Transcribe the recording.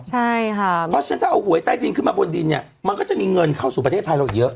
เพราะฉะนั้นถ้าเอาหวยใต้ดินขึ้นมาบนดินเนี่ยมันก็จะมีเงินเข้าสู่ประเทศไทยเราอีกเยอะ